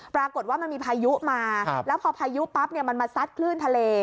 ปรากฏว่ามันมีพายุมาแล้วพอพายุปั๊บมันมาซัดคลื่นทะเล